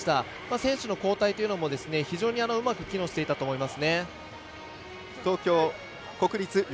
選手の交代というのも非常にうまく機能していたと思います。